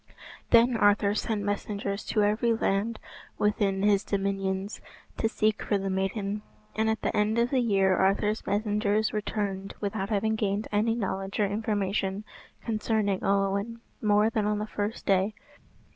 Then Arthur sent messengers to every land within his dominions to seek for the maiden; and at the end of the year Arthur's messengers returned without having gained any knowledge or information concerning Olwen more than on the first day.